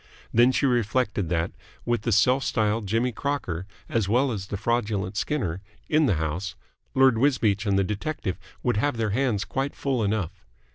Then she reflected that, with the self styled Jimmy Crocker as well as the fraudulent Skinner in the house, Lord Wisbeach and the detective would have their hands quite full enough.